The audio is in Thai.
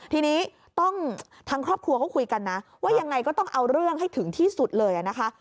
ทีนี้ต้องทางครอบครัวเขาคุยกันนะว่ายังไงก็ต้องเอาเรื่องให้ถึงที่สุดเลยนะคะ